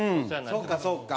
そうかそうか。